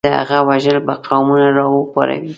د هغه وژل به قومونه راوپاروي.